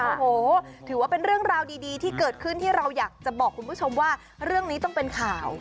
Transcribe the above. โอ้โหถือว่าเป็นเรื่องราวดีที่เกิดขึ้นที่เราอยากจะบอกคุณผู้ชมว่าเรื่องนี้ต้องเป็นข่าว